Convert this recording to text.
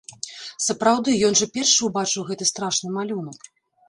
Сапраўды, ён жа першы ўбачыў гэты страшны малюнак!